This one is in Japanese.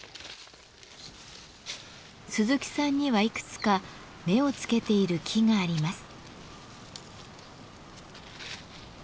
鈴木さんにはいくつか目をつけている木があります。